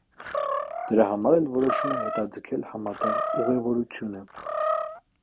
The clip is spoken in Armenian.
Դրա համար էլ որոշում է հետաձգել համատեղ ուղևորությունը։